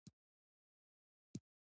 ادبیات د ټولنې انعکاس دی.